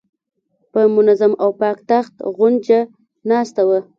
په منظم او پاک تخت غونجه ناسته وه.